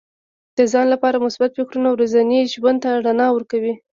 د ځان لپاره مثبت فکرونه ورځني ژوند ته رڼا ورکوي.